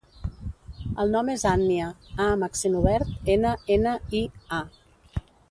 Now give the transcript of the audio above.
El nom és Ànnia: a amb accent obert, ena, ena, i, a.